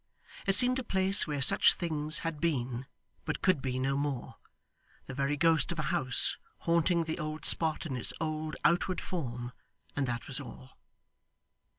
It seemed a place where such things had been, but could be no more the very ghost of a house, haunting the old spot in its old outward form, and that was all.